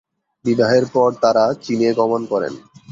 বিবাহের পর তারা চিনে গমন করেন।